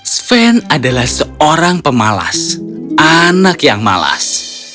sven adalah seorang pemalas anak yang malas